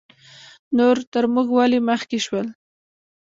نور تر موږ ولې مخکې شول؟